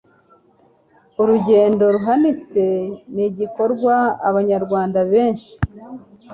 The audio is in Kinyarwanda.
urugero ruhanitse ni igikorwa abanyarwanda benshi